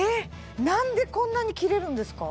なんでこんなに切れるんですか？